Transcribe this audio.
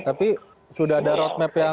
tapi sudah ada roadmap yang